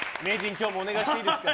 今日もお願いしていいですか。